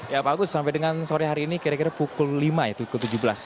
ya pak agus sampai dengan sore hari ini kira kira pukul lima ya pukul tujuh belas